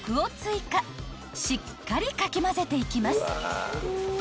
［しっかりかき混ぜていきます］